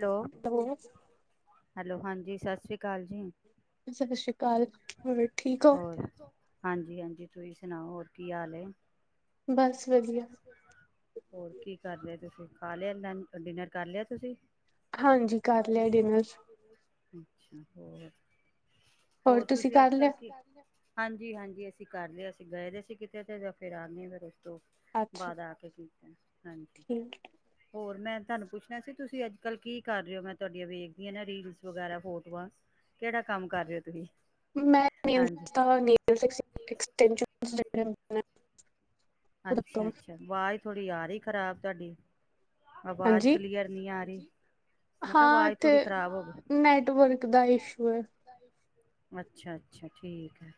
Hello? Hello ਹਾਂਜੀ ਸਤਿ ਸ਼੍ਰੀ ਅਕਾਲ ਜੀ। ਸਤਿ ਸ੍ਰੀ ਅਕਾਲ ਹੋਰ ਠੀਕ ਹੋ। [unintelligible] ਹਾਂਜੀ ਹਾਂਜੀ ਤੁਸੀਂ ਸੁਣਾਓ ਹੋਰ ਕੀ ਹਾਲ ਹੈ। ਬਸ ਵਧੀਆ। ਹੋਰ ਕੀ ਕਰ ਲਿਆ ਤੁਸੀਂ ਖਾ ਲਿਆ ਡਿਨਰ ਕਰ ਲਿਆ ਤੁਸੀਂ? ਹਾਂਜੀ ਕਰ ਲਿਆ ਡਿਨਰ। ਅੱਛਾ ਹੋਰ ਹੋਰ ਤੁਸੀਂ ਅੱਜ ਕੱਲ ਕੀ ਹਾਂਜੀ-ਹਾਂਜੀ ਅਸੀਂ ਕਰਦੇ ਅਸੀਂ ਗਏ ਦੇ ਸੀ ਕਿਤੇ ਤੇ ਜਾਂ ਫੇਰ ਆਉਂਦੇ ਫਿਰ ਉਸ ਤੋਂ ਬਾਦ ਆ ਕੇ ਕੀਤਾ ਹਾਂਜੀ ਹੋਰ ਮੈਂ ਤਾਨੂੰ ਪੁੱਛਣਾ ਸੀ ਤੁਸੀਂ ਅੱਜ ਕੱਲ ਕੀ ਕਰ ਰੇ ਔ? ਮੈਂ ਤਵਾਡੀਆਂ ਵੇਖਦੀ ਅ ਨਾ, ਰੀਲਸ ਵਗੈਰਾ ਫੋਟੋਆਂ। ਕੇੜਾ ਕੰਮ ਕਰ ਰੇ ਹੋ, ਤੁਹੀਂ। [unintelligible] ਅੱਛਾ-ਅੱਛਾ ਵਾਜ਼ ਥੋੜ੍ਹੀ ਆ ਰਈ ਖ਼ਰਾਬ। ਤੁਆਡੀ ਆਵਾਜ਼ ਕਲੀਅਰ ਨੀ ਆ ਰੀ, ਮੈਂ ਕਾ ਵਾਜ਼ ਥੋੜੀ ਖਰਾਬ ਹੋਗੀ ਅੱਛਾ, ਅੱਛਾ ਠੀਕ ਹੈ।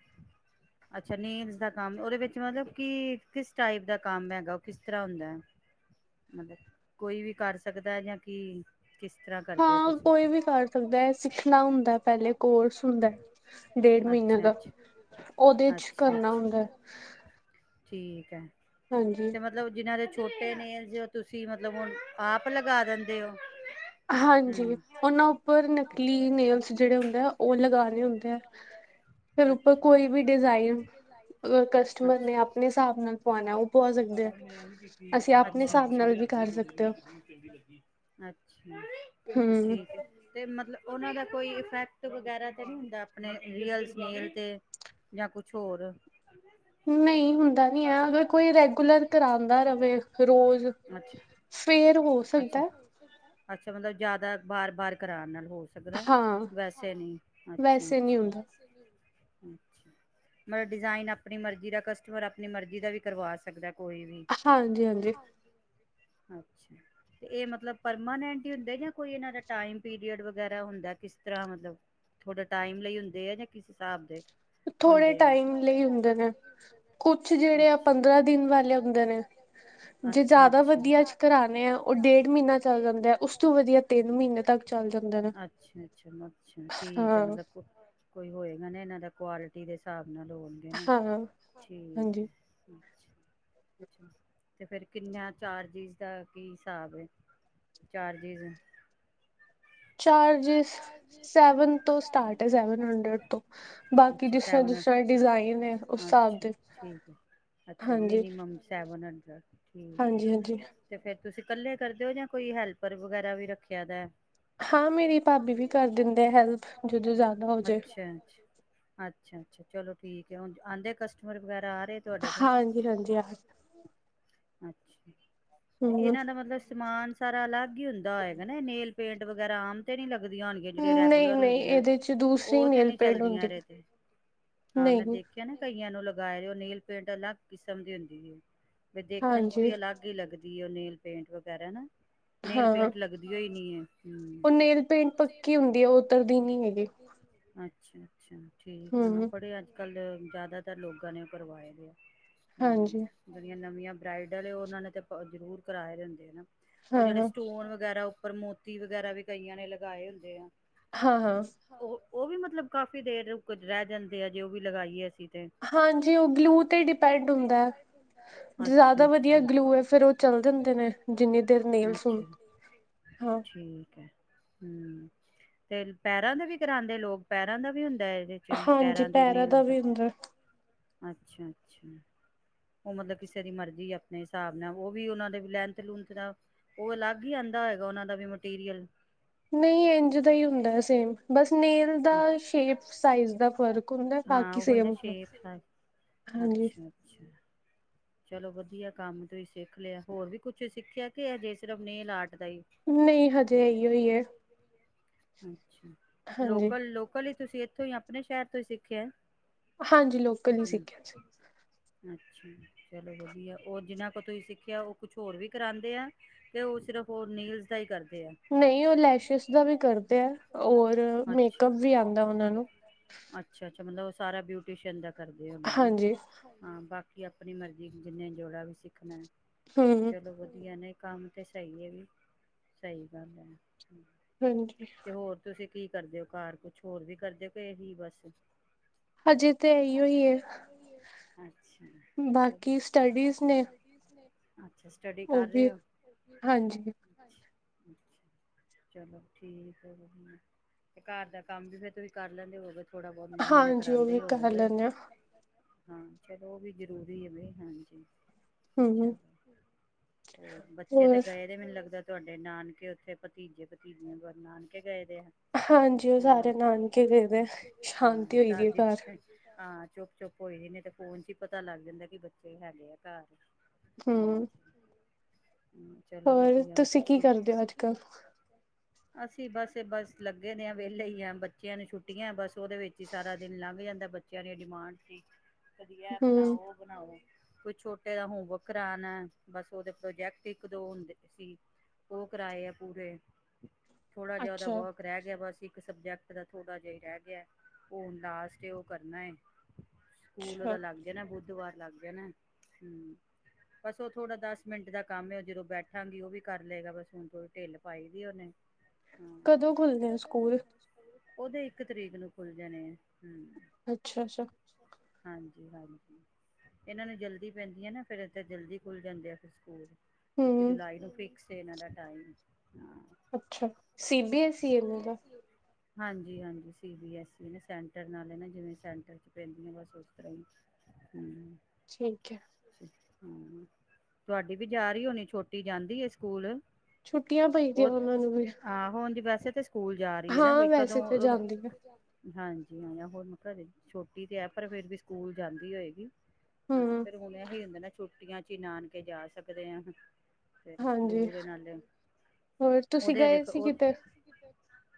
ਅੱਛਾ, ਨੇਲਸ ਦਾ ਕੰਮ, ਔਦੇ ਵਿੱਚ ਮਤਲਬ ਕਿ ਕਿਸ ਟਾਈਪ ਦਾ ਕੰਮ ਹੈਗਾ, ਉਹ ਕਿਸ ਤਰ੍ਹਾਂ ਹੁੰਦਾ ਹੈ? ਮਤਲਬ, ਕੋਈ ਵੀ ਕਰ ਸਕਦਾ ਏ ਜਾਂ ਕੀ? ਕਿਸ ਤਰ੍ਹਾਂ ਕਰ ਹਾਂ, ਕੋਈ ਵੀ ਕਰ ਸਕਦਾ ਹੈ ਸਿੱਖਣਾ ਹੁੰਦਾ ਏ ਪਹਿਲੇ ਕੋਰਸ ਹੁੰਦਾ। ਡੇਢ ਮਹੀਨੇ ਦਾ, ਉਹਦੇ ਚ ਕਰਨਾ ਹੁੰਦਾ ਹੈ। ਠੀਕ ਐ। ਹਾਂਜੀ। ਮਤਲਬ ਜਿਹਨਾਂ ਦੇ ਛੋਟੇ ਨੇ, ਜੋ ਤੁਸੀਂ ਮਤਲਬ ਹੁਣ ਆਪ ਲੱਗਾ ਦਿੰਦੇ ਹੋ? ਹਾਂਜੀ, ਉਹਨਾਂ ਉੱਪਰ ਨਕਲੀ ਨੇਲਸ ਜਿਹੜੇ ਹੁੰਦੇ ਆ, ਉਹ ਲਗਾਣੇ ਹੁੰਦੇ ਹੈ। ਫਿਰ, ਉੱਪਰ ਕੋਈ ਵੀ ਡਿਜ਼ਾਇਨ ਕਸਟਮਰ ਨੇ ਆਪਣੇ ਹਿਸਾਬ ਨਾਲ ਪਉਣਾ ਉਹ ਪਾ ਸਕਦੇ ਆ, ਅਸੀਂ ਆਪਣੇ ਹਿਸਾਬ ਨਾਲ ਵੀ ਕਰ ਸਕਦੇ ਹੋ। [unintelligible] ਅੱਛਾ, ਠੀਕ ਹੈ। ਤੇ ਮਤਲਬ, ਉਹਨਾਂ ਦਾ ਕੋਈ ਇਫੈਕਟ ਵਗੈਰਾ ਤੇ ਨਹੀਂ ਹੁੰਦਾ ਆਪਣੇ ਰੀਅਲਸ ਨੇਲ ਤੇ। ਜਾਂ, ਕੁਝ ਹੋਰ? ਨਹੀਂ, ਹੁੰਦਾ ਨੀ ਹੈ, ਅਗਰ ਕੋਈ ਰੈਗੂਲਰ ਕਰਾਉਂਦਾ ਰਵੇ ਰੋਜ਼ ਫੇਰ ਹੋ ਸਕਦਾ? ਸੁਣਦਾ? [unintelligible] ਅੱਛਾ, ਮਤਲਬ ਜਿਆਦਾ ਬਾਰ ਬਾਰ ਕਰਾਉਣ ਨਾਲ ਹੋ ਸਕਦਾ, ਵੈਸੇ ਨੀ, ਅੱਛਾ, ਅੱਛਾ। ਮਤਲਬ ਡਿਜ਼ਾਇਨ ਆਪਣੀ ਮਰਜੀ ਦਾ, ਕਸਟਮਰ ਆਪਣੀ ਮਰਜੀ ਦਾ ਵੀ ਕਰਵਾ ਸਕਦਾ ਏ। ਕੋਈ ਵੀ, ਹਾਂ ਅੱਛਾ। ਏ ਮਤਲਬ ਪਰਮਾਨੈਂਟ ਹੀ ਹੁੰਦਾ ਜਾਂ ਕੋਈ ਇਹ ਦਾ ਟਾਈਮ ਪੀਰੀਅਡ ਵਗੈਰਾ ਹੁੰਦਾ, ਕਿਸ ਤਰ੍ਹਾਂ ਮਤਲਬ? ਥੋਡੇ ਟਾਈਮ ਲਈ ਹੁੰਦੇ ਆ ਜਾਂ ਕਿਸ ਹਿਸਾਬ ਦੇ? ਥੋੜੇ ਟਾਈਮ ਲਈ ਹੁੰਦੇ ਨੇ। ਕੁਝ ਜਿਹੜੇ ਆ ਪੰਦਰਾਂ ਦਿਨ ਵਾਲੇ ਹੁੰਦੇ ਨੇ ਜੇ ਜ਼ਿਆਦਾ ਵਧੀਆ ਚ ਆ ਵਧੀਆ ਚ ਕਰਾਣੇ ਆ ਡੇਢ ਮਹੀਨਾ ਚਲ ਜਾਂਦਾ ਉਸਤੋ ਵਧੀਆ ਡੇਢ ਮਹੀਨਾ ਤੇ ਅੱਛਾ, ਅੱਛਾ। ਅੱਛਾ, ਠੀਕ ਹੈ ਮਤਲਬ ਕੋਈ ਹੋਏਗਾ ਨਾ ਇਹਨਾਂ ਦਾ ਕੁਆਲਿਟੀ ਦੇ ਹਿਸਾਬ ਨਾਲ ਹੋ [unintelligible] ਠੀਕ ਹੈ, ਅੱਛਾ। ਤੇ ਫਿਰ ਕਿੰਨੇ ਚਾਰਜਿਸ ਦਾ ਕੀ ਹਿਸਾਬ ਏ? ਚਾਰਜਿਸ? ਚਾਰਜਿਸ, ਸੈਵਨ ਤੋਂ ਸਟਾਰਟ ਹੈ, ਸੈਵਨ ਹੰਡਰਡ ਤੋਂ ਬਾਕੀ ਅੱਛਾ, ਸੈਵਨ ਹ ਅੱਛਾ, ਠੀਕ ਹੈ ਅੱਛਾ ਮਿਨੀਮਮ ਸੈਵਨ ਹੰਡਰਡ, ਠੀਕ ਹੈ। ਤੇ ਫੇਰ ਤੁਸੀਂ ਇਕੱਲੇ ਕਰਦੇ ਹੋ ਜਾਂ ਕੋਈ ਹੈਲਪਰ ਵਗੈਰਾ ਵੀ ਰੱਖਿਆ ਦਾ? ਹਾਂ, ਮੇਰੀ ਭਾਬੀ ਵੀ ਕਰ ਦਿੰਦੇ ਹੈਲਪ ਜਦੋਂ ਜ਼ਿਆਦਾ ਹੋ ਜੇ। ਚਚ [unintelligible] [unintelligible] ਅੱਛਾ, ਅੱਛਾ ਚਲੋ ਠੀਕ ਹੈ ਉਂਜ ਆਂਦੇ ਕਸਟਮਰ ਵਗੈਰਾ ਆ ਰਹੇ। ਹਾਂਜੀ, ਹਾਂਜੀ ਆ ਅੱਛਾ, ਤੇ ਇਹਨਾਂ ਦਾ ਮਤਲਬ ਸਮਾਨ ਸਾਰਾ ਅਲੱਗ ਹੀ ਹੁੰਦਾ ਹੋਏਗਾ ਨਾ ਏ ਨੇਲ ਪੇਂਟ, ਵਗੈਰਾ ਆਮ ਤੇ ਨੀ ਲੱਗਦੀਆਂ ਹੋਣਗੀਆਂ, ਜਿਹੜੀਆਂ ਰੈਗੂਲਰ ਹੁੰਦੀਆਂ ਉਹ ਤੇ ਨੀ ਚੱਲਦੀਆਂ ਇਦੇ ਤੇ। ਹਾਂ, ਮੈਂ ਦੇਖਿਆ ਨਾ ਕਈਆਂ ਨੂੰ ਲੱਗਾਏ ਓ ਨੇਲ ਪੇਂਟ ਅਲੱਗ ਕਿਸਮ ਦੀ ਹੁੰਦੀ ਹੈ। ਵੀ ਦੇਖਣ ਚ ਵੀ ਅਲੱਗ ਹੀ ਲੱਗਦੀ ਹੈ, ਉਹ ਨੇਲ ਪੇਂਟ ਵਗੈਰਾ ਨਾ ਨੇਲ ਪੇਂਟ ਲੱਗਦੀ ਵਧੀਆ ਹੀ ਨੀ ਹੈ, ਅੱਛਾ। ਅੱਛਾ, ਠੀਕ ਆਂ ਬੜੇ ਅੱਜ ਕੱਲ ਜ਼ਿਆਦਾਤਰ ਲੋਗਾ ਨੇ ਓ ਕਰਵਾਏ ਆ ਹੂੰ। ਜਿਹੜੀਆਂ ਨਵੀਆਂ ਬਰਾਈਡਲ ਏ, ਉਹਨਾਂ ਨੇ ਤੇ ਜ਼ਰੂਰ ਕਰਵਾਏ ਹੁੰਦੇ ਨਾ। ਉਹ ਜਿਹੜੇ ਸਟੋਨ ਵਗੈਰਾ, ਉੱਪਰ ਮੋਤੀ ਵਗੈਰਾ ਵੀ ਕਈਆਂ ਨੇ ਲਗਾਏ ਹੁੰਦੇ ਆ। ਹਾਂ-ਹਾਂ‌। ਉਹ, ਓ ਵੀ ਮਤਲਬ ਕਾਫ਼ੀ ਦੇਰ ਰੁੱਕ ਰਹਿ ਜਾਂਦੇ ਆ ਜੇ ਓ ਵੀ ਲਗਾਈਏ ਅਸੀਂ। ਹਾਂਜੀ ਓ ਗਲੂ ਤੇ ਈ ਡਿਪੈਂਡ ਹੁੰਦਾ। ਅੱਛਾ-ਅੱਛਾ, ਅੱਛਾ। ਠੀਕ ਐ। ਹੂੰ, ਫੇਰ ਪੈਰਾਂ ਦਾ ਵੀ ਕਰਾਂਦੇ ਲੋਕ ਪੈਰਾਂ ਦਾ ਵੀ ਹੁੰਦਾ ਏਦੇ ਚ ਪੈਰਾਂ ਦੇ ਨੇਲਸ ਦਾ, ਅੱਛਾ-ਅੱਛਾ। ਓ ਮਤਲਬ ਕਿਸੇ ਦੀ ਮਰਜ਼ੀ ਅਪਨੇ ਹਿਸਾਬ ਨਾਲ, ਓ ਵੀ ਓਨਾਂ ਦੇ ਲੈਂਥ ਲੂਂਥ ਦਾ ਓ ਅਲੱਗ ਈ ਆਂਦਾ ਹੋਏਗਾ ਓਨਾਂ ਦਾ ਵੀ ਮਟੀਰੀਅਲ? ਨਈ ਇੰਜ ਦਾ ਹੀ ਹੁੰਦਾ ਸੇਮ, ਬਸ ਨੇਲ ਦਾ ਸ਼ੇਪ ਸਾਈਜ਼ ਦਾ ਫ਼ਰਕ ਹੁੰਦਾ ਐ। ਬਾਕੀ ਸੇਮ ਅਪਨਾ ਹਾਂਜੀ। ਅੱਛਾ। ਚਲੋ ਵਧੀਆ ਕੰਮ ਤੁਸੀਂ ਸਿੱਖ ਲਿਆ, ਹੋਰ ਵੀ ਕੁਛ ਸਿੱਖਿਆ ਕਿ ਹਜੇ ਸਿਰਫ਼ ਨੇਲ ਆਰਟ ਦਾ ਹੀ? ਨਹੀਂ ਹਜੇ ਏਹੀਓ ਹੀ ਐ। ਅੱਛਾ, ਲੋਕਲ, ਲੋਕਲ ਹੀ ਤੁਸੀਂ ਇੱਥੋਂ ਹੀ ਅਪਨੇ ਸ਼ਹਿਰ ਤੋਂ ਹੀ ਸਿੱਖਿਆ? ਹੂੰ, ਅੱਛਾ। ਚਲੋ ਵਧੀਆ, ਓ ਜਿਨਾਂ ਕੋਲ ਤੁਸੀਂ ਸਿੱਖਿਆ ਓ ਕੁਛ ਹੋਰ ਵੀ ਕਰਾਂਦੇ ਆ? ਕੇ ਓ ਸਿਰਫ, ਓ ਨੇਲਜ਼ ਦਾ ਹੀ ਕਰਦੇ ਆ। ਨਈ ਓ ਲੈਸ਼ਸ ਦਾ ਵੀ ਕਰਦੇ ਐ ਔਰ ਮੇਕਅਪ ਵੀ ਆਂਦਾ ਓਨਾਂ ਨੂੰ। ਅੱਛਾ-ਅੱਛਾ, ਮਤਲਬ ਓ ਸਾਰਾ ਬਿਊਟੀਸ਼ੀਅਨ ਦਾ ਕਰਦੇ ਹੋਨੇ ਨਾ ਹਾਂ, ਬਾਕੀ ਆਪ ਅਪਨੀ ਮਰਜ਼ੀ ਜਿੰਨੇ ਜੋੜਾ ਵੀ ਸਿੱਖਨਾ ਹੂੰ। ਚਲੋ ਵਧੀਆ ਨੇ ਕੰਮ ਤੇ ਸਹੀ ਏ ਵੀ ਸਹੀ ਗੱਲ ਐ। ਹਾਂਜੀ। ਤੁਸੀਂ ਕੀ ਕਰਦੇ ਹੋ ਘਰ ਕੁਛ ਹੋਰ ਵੀ ਕਰਦੇ ਹੋ ਕਿ ਏਹੀ ਬਸ? ਹਜੇ ਤੇ ਏਹੀਓ ਈ ਏ। ਅੱਛਾ। ਬਾਕੀ ਸਟੱਡੀਜ਼ ਨੇ। ਅੱਛਾ, ਸਟੱਡੀ ਕਰ ਰਹੇ ਓ? ਚਲੋ ਠੀਕ ਏ ਵਧੀਆ ਤੇ ਘਰ ਦਾ ਕੰਮ ਵੀ ਫਿਰ ਤੁਸੀ ਕਰ ਲੈਂਦੇ ਹੋਗੈ? ਥੋੜ੍ਹਾ ਬੋਤ ਮੰਮੀ ਨਾਲ ਕਰਾਂਦੇ ਹੀ ਹੋਵੋਗੇ। ਹਾਂ ਚਲੋ ਓ ਵੀ ਜ਼ਰੂਰੀ ਹੈ ਨੀ ਹਾਂਜੀ। ਚੱਲੋ ਹੋਰ ਬੱਚੇ ਤੇ ਗਏ ਦੇ ਮੈਨੂੰ ਲੱਗਦਾ ਤੁਹਾਡੇ ਨਾਨਕੇ ਓਥੇ ਭਤੀਜੇ ਭਤੀਜਿਆਂ ਓਦਰ ਨਾਨਕੇ ਗਏ ਦੇ ਆ? ਹਾਂਜੀ ਓ ਸਾਰੇ ਨਾਨਕੇ ਗਏ ਦੇ, ਸ਼ਾਂਤੀ ਹੋ ਦੀ ਆ ਘਰ। ਹਾਂ ਚੁੱਪ-ਚੁੱਪ ਹੋਈ ਦੀ, ਨਈ ਤੇ ਫੋਨ 'ਚ ਹੀ ਪਤਾ ਲੱਗ ਜਾਂਦਾ ਕਿ ਬੱਚੇ ਹੈਗੇ ਆ ਘਾਰ। ਹੂੰ। ਹੂੰ, ਚਲੋ ਵਧਿਆ। ਅਸੀਂ ਬਸ, ਬਸ ਲੱਗੇ ਦੇ ਆਂ ਵੇਲੇ ਹੀ ਆ ਬ ਬੱਚਿਆਂ ਨੂੰ ਛੁੱਟੀਆਂ ਬਸ ਓਦੇ ਵਿੱਚ ਹੀ ਸਾਰਾ ਦਿਨ ਲੰਘ ਜਾਂਦਾ ਬੱਚਿਆਂ ਦੀ ਡਿਮਾਂਡ 'ਚ ਈ। ਕਦੀ ੲੈ ਬਨਾਓ, ੳ ਬਨਾਓ। ਕੁਛ ਛੋਟੇ ਦਾ ਹੋਮਵਰਕ ਕਰਾਨਾ ਬਸ ਓਦੇ ਪ੍ਰੋਜੈਕਟ ਇੱਕ ਦੋ ਹੁੰਦੇ ਸੀ। ਓ ਕਰਵਾਏ ਆ ਪੂਰੇ, ਥੋੜਾ ਜਾ ਓਦਾ ਵਰਕ ਰਹਿ ਗਿਆ ਬਸ ਇੱਕ ਸਬਜੈਕਟ ਦਾ ਥੋੜਾ ਜੇਹਾ ਹੀ ਰਹਿ ਗਿਆ, ਓ ਹੁਣ ਲਾਸਟ ਓ ਕਰਨਾ ਏ। ਸਕੂਲ ਓਦਾ ਲੱਗ ਜਾਨਾ, ਬੁੱਧਵਾਰ ਲੱਗ ਜਾਨਾ, ਹੂੰ। ਬਸ ਓ ਥੋੜਾ ਦਸ ਮਿੰਟ ਦਾ ਕੰਮ ਐ, ਜਦੋਂ ਬੈਠਾਂਗੀ ਓ ਵੀ ਕਰ ਲਏਗਾ ਬਸ ਹੁਨ ਢਿੱਲ ਪਾਈ ਦੀ ਓਨੇ। [inaudible] ਹੂੰ, ਓਦੇ ਇੱਕ ਤਰੀਕ ਨੂੰ ਖੁੱਲ ਜਾਨੇ ਐ ਹੂੰ। ਅੱਛਾ-ਅੱਛਾ। ਹਾਂਜੀ-ਹਾਂਜੀ। ਇਹਨਾਂ ਨੂੰ ਜਲਦੀ ਪੈਂਦੀਆਂ ਨਾ ਫੇਰ ਇਥੇ ਜਲਦੀ ਖੁੱਲ ਜਾਂਦੇ ਆ। ਫ ਸਕੂਲ ਇੱਕ ਜੁਲਾਈ ਨੂੰ ਫਿਕਸ। ਤੇ ਇਹਨਾਂ ਦਾ ਟਾਈਮ ਹਾਂ ਸੀਬੀਐਸਈ ਐ। ਹਾਂਜੀ- ਹਾਂਜੀ ਸੀ ਬੀ ਐੱਸ ਈ ਨੇ ਸੈਂਟਰ ਨਾਲ ਹੈ ਨਾ ਜਿਵੇਂ ਸੈਂਟਰ ਚ ਪੈਂਦੀਆਂ। ਬਸ ਉਸ ਤਰਾਂ ਹੀ। ਹੂੰ। ਠੀਕ ਹੈ। ਹੂੰ, ਤੁਹਾਡੀ ਵੀ ਜਾ ਰਹੀ ਹੋਣੀ। ਛੋਟੀ ਜਾਂਦੀ ਹੈ ਸਕੂਲ। ਉਹ, ਹਾਂ ਹੁਣ ਵੈਸੇ ਤੇ ਸਕੂਲ ਜਾ ਰਹੀ ਏ ਨਾ, ਫੇਰ ਕਦੋਂ ਹਾਂਜੀ ਹਾਂ ਹੁਣ ਘਰੇ, ਛੋਟੀ ਤੇ ਹੈ ਪਰ ਫੇਰ ਵੀ ਸਕੂਲ ਜਾਂਦੀ ਹੋਏਗੀ। ਹਾਂ, ਫੇਰ ਹੁਣਾ ਹੀ ਹੁੰਦਾ ਨਾ, ਛੁੱਟੀਆਂ ਚ ਹੀ ਨਾਨਕੇ ਜਾ ਸਕਦੇ ਆ। ਫੇਰ ਦੂਰ ਨਾਲੇ, ਉਹਦੇ ਦੇਖੋ ਉਹ।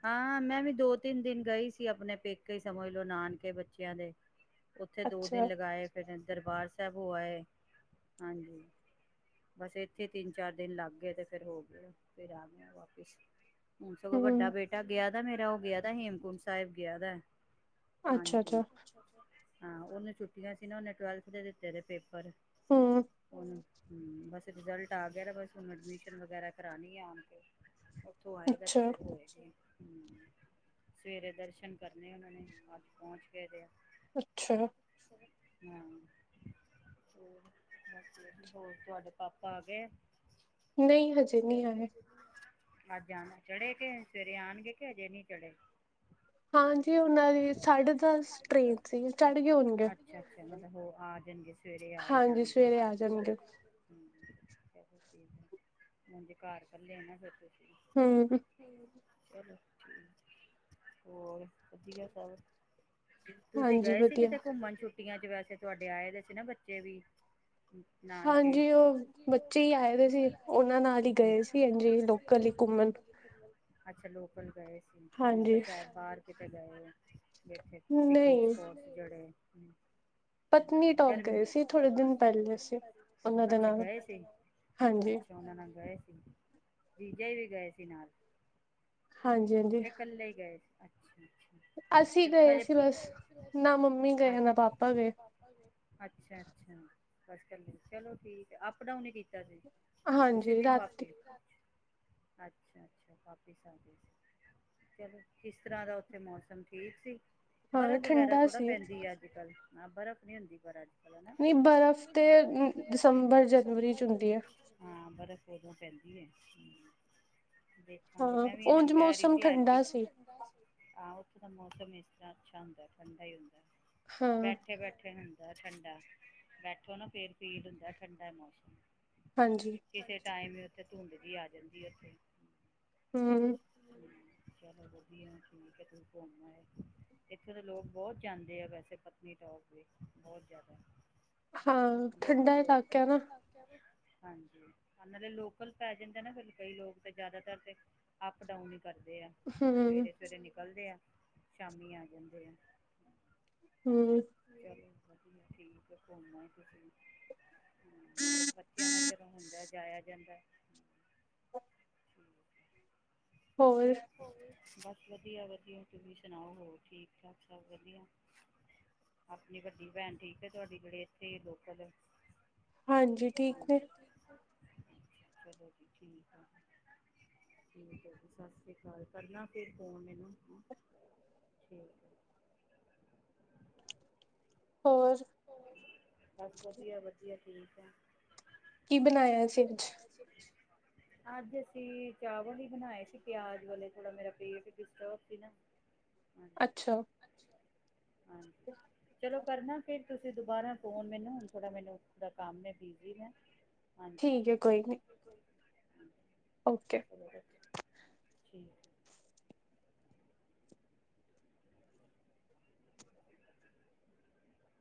ਹਾਂ ਮੈਂ ਵੀ, ਦੋ- ਤਿੰਨ ਦਿਨ ਗਈ ਸੀ। ਆਪਣੇ ਪੇਕੇ ਹੀ ਸਮਝ ਲੋਓ ਨਾਨਕੇ ਬੱਚਿਆਂ ਦੇ। ਉੱਥੇ ਦੋ ਦਿਨ ਲਗਾ ਆਏ, ਫੇਰ ਦਰਬਾਰ ਸਾਹਿਬ ਹੋ ਆਏ, ਹਾਂਜੀ। ਬਸ ਇੱਥੇ ਤਿੰਨ, ਚਾਰ ਦਿਨ ਲੱਗ ਗਏ। ਤੇ ਫੇਰ ਹੋ ਗਏ ਫੇਰ ਆ ਗਏ ਆਂ ਵਾਪਿਸ। ਹੁਣ ਸਗੋਂ ਵੱਡਾ ਬੇਟਾ ਗਿਆ ਦਾ ਮੇਰਾ ਉਹ ਗਿਆ ਦਾ ਹੇਮਕੁੰਟ ਸਾਹਿਬ ਗਿਆ ਦਾ। ਹਾਂਜੀ ਹਾਂ ਉਹਨੇ ਛੁੱਟੀਆਂ ਸੀ ਨਾ, ਉਹਨੇ ਟਵੈਲਥ ਦੇ ਦਿੱਤੇ ਨੇ ਪੇਪਰ। ਹੂੰ, ਹੂੰ ਬਸ ਰਿਜਲਟ ਆ ਗਿਆ। ਬਸ ਹੁਣ ਐਡਮਿਸ਼ਨ ਵਗੈਰਾ ਕਰਾਣੀ ਹੈ, ਹੁਣ। ਉੱਥੋਂ ਆਏਗਾ ਤੇ, ਫੇਰ ਹੋਏਗੇ। ਹੂੰ ਸਵੇਰੇ ਦਰਸ਼ਨ ਕਰਨੇ ਉਹਨਾਂ ਨੇ, ਅੱਜ ਪਹੁੰਚ ਗਏ ਦੇ ਆ। ਅੱਛਾ। ਹਾਂ, ਹੋਰ ਬਸ ਵਧੀਆ। ਹੋਰ ਤੁਹਾਡੇ ਪਾਪਾ ਆ ਗਏ ਏ। ਨਹੀ ਹਜੇ। ਅੱਜ ਆਣਾ ਚੜੇ ਕੇ, ਸਵੇਰੇ ਆਉਣਗੇ ਕੇ, ਹਜੇ ਨਹੀਂ ਚੜੇ। ਹਾਂਜੀ ਉਹਨਾਂ ਦੀ, ਸਾਢੇ ਦਸ ਟ੍ਰੇਨ ਸੀ, ਚੜ ਗਏ ਹੋਣਗੇ। ਅੱਛਾ ਮਤਲਬ ਉਹ ਆ ਜਾਣਗੇ, ਸਵੇਰੇ ਆ ਹੀ ਜਾਣਗੇ। ਥਕੂ [unintelligible] ਚਲੋ ਠੀਕ, ਆਜੇ ਕਾਰ ਕਰ ਲਿਆ ਨਾ ਫੇਰ ਤੁਸੀਂ। ਹੂੰ। ਚਲੋ ਠੀਕ, ਹੋਰ ਵਧੀਆ ਸਭ। ਤੁਸੀਂ ਗਏ ਸੀ ਕਿਤੇ ਘੁੰਮਣ ਛੁੱਟੀਆਂ ਚ, ਵੈਸੇ ਤੁਹਾਡੇ ਆਏ ਦੇ ਸੀ ਨਾ ਬੱਚੇ ਵੀ। ਨਾਨਕੇ, ਹਾਂਜੀ ਔ ਬੱਚੇ ਹੀ ਆਏ ਦੇ ਸੀਗੇ। ੳਹਨਾ ਨਾਲ ਹੀ ਗਏ ਸੀ। ਅੱਛਾ ਲੋਕਲ ਗਏ ਸੀ। ਮੈਂ ਕਿਹਾ ਸ਼ਾਇਦ ਬਾਹਰ ਕਿਤੇ ਗਏ ਆ। ਇਥੇ ਪਿਕਨਿਕ ਸਪਾਟਸ ਜਿਹੜੇ। ਗਰਮੀ ਅੱਛਾ, ਗਏ ਸੀ ਅੱਛਾ। ਉਹਨਾਂ ਨਾਲ ਗਏ ਸੀ, ਜੀਜਾ ਇ ਵੀ ਗਏ ਸੀ ਨਾਲ। ਕੀ ਕੱਲੇ ਹੀ ਗਏ ਸੀ, ਅੱਛਾ। ਅਸੀਂ ਗਏ ਸੀ ਬਸ। ਨਾ ਮੰਮੀ ਗਏ ਨਾ ਪਾਪਾ ਗਏ। ਅੱਛਾ- ਅੱਛਾ। ਚ ਚਲੋ ਠੀਕ, ਅਪ ਡਾਊਨ ਹੀ ਕੀਤਾ ਸੀ। ਉਸੇ ਦਿਨ ਵਾਪ। ਅੱਛਾ- ਅੱਛਾ ਵਾਪਿਸ ਆ ਗਏ ਸੀ। ਚਲੋ ਕਿਸ ਤਰਾਂ ਦਾ ਉੱਥੇ ਮੌਸਮ ਠੀਕ ਸੀ। ਬਰਫ਼ ਵਗੈਰਾ ਥੋੜਾ ਪੈਂਦੀ ਆ ਅੱਜ ਕੱਲ। ਹਾਂ ਬਰਫ਼ ਨਹੀਂ ਹੁੰਦੀ ਪਰ। ਨਹੀਂ ਬਰਫ਼ ਤੇ ਦਸੰਬਰ, ਜਨਵਰੀ ਚ ਹੁੰਦੀ ਆ। ਹਾਂ ਬਰਫ਼ ਉਦੋਂ ਪੈਂਦੀ ਹੈ। ਦੇਖਾਂਗੇ, ਮੈਂ ਵੀ ਇਹਨਾਂ ਨੂੰ ਕਹਿ ਰਹੀ ਸੀ ਐਤਕੀ। ਹਾਂ ਉੱਥੇ ਦਾ ਮੌਸਮ ਇਸ ਤਰਾਂ ਅੱਛਾ ਹੁੰਦਾ ਠੰਡਾ ਹੀ ਹੁੰਦਾ। ਬੈਠੇ ਬੈਠੇ ਹ ਠੰਡਾ। ਉੱਥੋਂ ਨਾ ਫੇਰ ਫੀਲ ਹੁੰਦਾ, ਠੰਡਾ ਏ ਮੌਸਮ। ਹਾਂਜੀ। ਕਿਸੇ ਟਾਈਮ ਵੀ ਉੱਥੇ ਧੁੰਦ ਜੀ ਆ ਜਾਂਦੀ ਉੱਥੇ। ਹੂੰ ਚਲੋ ਵਧੀਆ ਠੀਕ ਏ ਤੁਸੀ ਘੁੰਮ ਆਏ। ਇੱਥੇ ਦੇ ਲੋਕ ਬਹੁਤ ਜਾਂਦੇ ਆ ਵੈਸੇ ਪਤਨੀਟੋਪ ਵੀ ਬਹੁਤ ਜ਼ਿਆਦਾ। ਹਾਂ ਠੰਡਾ ਹੀ ਇਲਾਕਾ ਏ ਨਾ। ਹਾਂਜੀ ਨਾਲੇ ਲੋਕਲ ਪੈ ਜਾਂਦੇ ਨਾ ਫਿਰ ਕਈ ਲੋਕ ਤੇ ਜ਼ਿਆਦਾਤਰ ਤੇ ਅਪ ਡਾਊਨ ਹੀ ਕਰਦੇ ਆ ਸਵੇਰੇ ਸਵੇਰੇ ਨਿਕਲਦੇ ਆ ਸ਼ਾਮੀ ਆ ਜਾਂਦੇ ਆ। ਹਮ। ਚੱਲ ਮਦੀ ਸੀ ਕਿਪ ਹੁੰਮਾਇ ਤੁ ਸੀਹੀ। ਹਮ ਬੱਚਿਆਂ ਦਾ ਚਲੋ ਹੁੰਦਾ ਜਾਇਆ ਜਾਂਦਾ। ਹੋਰ। ਬਸ ਵਧੀਆ ਵਧੀਆ ਤੁਸੀਂ ਸੁਣਾਓ ਹੋ ਠੀਕ ਠਾਕ ਸਭ ਵਧੀਆ। ਆਪਣੀ ਵੱਡੀ ਭੈਣ ਠੀਕ ਹੈ ਤੁਹਾਡੀ ਜਿਹੜੇ ਇੱਥੇ ਲੋਕਲ। ਹਾਂਜੀ ਠੀਕ ਹੈ। ਚਲੋ ਜੀ ਠੀਕ ਆ ਠੀਕ ਹੈ ਜੀ ਸਤ੍ਰ। ਸਤਿ ਸ਼੍ਰੀ ਅਕਾਲ ਕਰਨਾ ਫਿਰ ਫੋਨ ਮੈਨੂੰ ਠੀ। ਹੋਰ। ਬਸ ਵਧੀਆ ਵਧੀਆ ਠੀਕ ਹੈ। ਸਭਛ [unintelligible] ਅੱਜ ਅਸੀਂ ਚਾਵਲ ਹੀ ਬਣਾਏ ਸੀ ਪਿਆਜ ਵਾਲੇ ਥੋੜਾ ਮੇਰਾ ਪੇਟ ਡਿਸਟਰਬ ਸੀ ਨਾ। [inaudible] ਅੱਛਾ। ਹਾਂ ਚਲੋ ਕਰਨਾ। ਫਿਰ ਤੁਸੀਂ ਦੁਬਾਰਾ ਫੋਨ ਮੈਨੂੰ ਹੁਣ ਥੋੜਾ ਮੈਨੂੰ ਦਾ ਕੰਮ ਬਿਜੀ ਆ ਠੀਕ ਹੈ ਕੋਈ ਨੀ। ਓਕੇ। ਠੀਕ।